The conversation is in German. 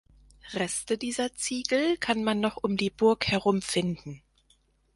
Reste dieser Ziegel kann man noch um die Burg herum finden.